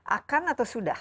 akan atau sudah